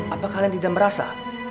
apa kalian tidak merasa